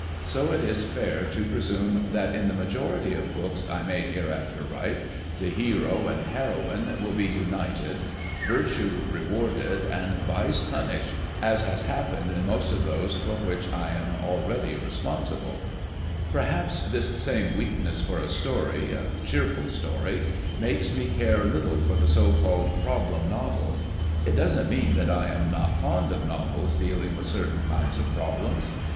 So it is fair to presume that in the majority of books I may hereafter write, the hero and heroine will be united, virtue rewarded and vice punished, as has liajapened in most of those for which I am Another view of Mr. Lincoln's Cape Cod Home JOSEPH CROSBY LIXCOLX already responsible. Perhaps tliis same weakness for a story, a cheerful story, makes me care little for the so called problem novel. It doesn't mean that I am not fond of novels dealing witli certain kinds of problems.